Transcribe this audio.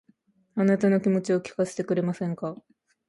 あなたの気持ちを聞かせてくれませんか